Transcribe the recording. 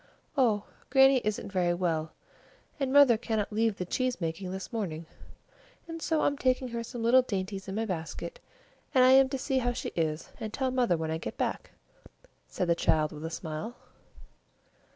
"Oh, Grannie isn't very well, and mother cannot leave the cheese making this morning, and so I'm taking her some little dainties in my basket, and I am to see how she is, and tell mother when I get back," said the child with a smile.